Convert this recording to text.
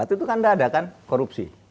itu kan tidak ada kan korupsi